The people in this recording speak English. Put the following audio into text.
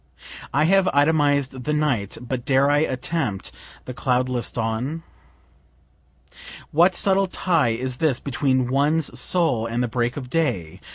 I have itemized the night but dare I attempt the cloudless dawn? (What subtle tie is this between one's soul and the break of day?